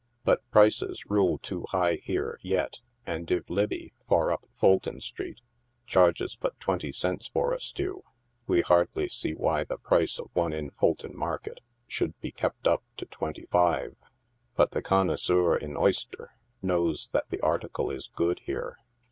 But prices rule too high here, yet, and if Libby, far up Fulton street, charges but twenty cents for a stew, we hardly see why the price of one in Fulton market should be kept up to twenty five. But the connoisseur in oyster knows that the article is good, here.